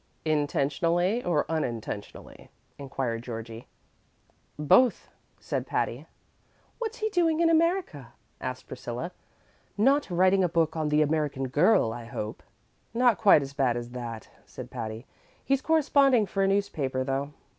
"Intentionally or unintentionally?" inquired Georgie. "Both," said Patty. "What's he doing in America?" asked Priscilla. "Not writing a book on the American Girl, I hope." "Not quite as bad as that," said Patty. "He's corresponding for a newspaper, though."